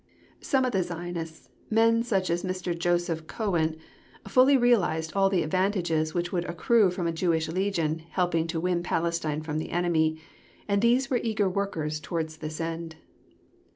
Some of the Zionists, men such as Mr. Joseph Cowen, fully realised all the advantages which would accrue from a Jewish legion helping to win Palestine from the enemy, and these were eager workers towards this end.